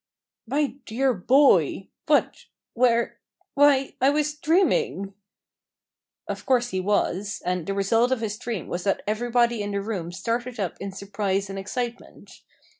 "My dear boy! what? where? Why, I was dreaming!" Of course he was, and the result of his dream was that everybody in the room started up in surprise and excitement.